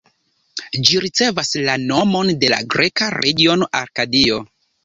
Ĝi ricevas la nomon de la greka regiono Arkadio.